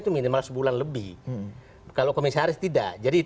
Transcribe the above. kalau komisaris nggak ya